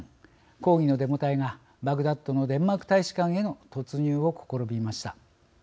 抗議のデモ隊がバグダッドのデンマーク大使館への突入を試みました。